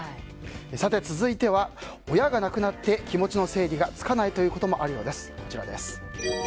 続いては親が亡くなって気持ちの整理がつかないということもあるようです。